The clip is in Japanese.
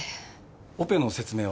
オペの説明は？